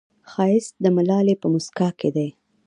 ښایست د ملالې په موسکا کې دی